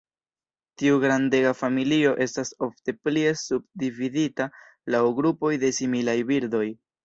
Tiu grandega familio estas ofte plie subdividita laŭ grupoj de similaj birdoj.